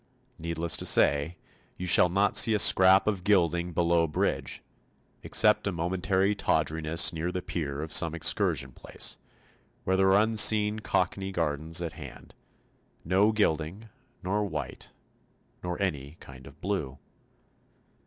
Needless to say, you shall not see a scrap of gilding below bridge, except a momentary tawdriness near the pier of some excursion place, where there are unseen Cockney gardens at hand no gilding, nor white, nor any kind of blue.